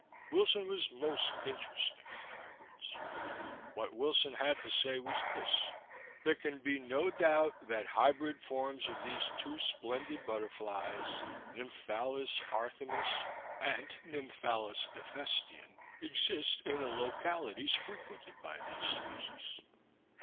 Wilson was most interesting on hybrids. What Wilson had to say was this :There can be no doubt that hybrid forms of these two splendid butterflies, Nymphalis Arthemis and Nymphalis 239 240 ^ The Boys Sister. Ephestion, exist in the localities frequented by these species.